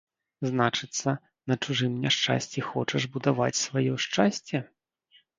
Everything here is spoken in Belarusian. Значыцца, на чужым няшчасці хочаш будаваць сваё шчасце!